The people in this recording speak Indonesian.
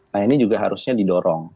nah ini juga harusnya didorong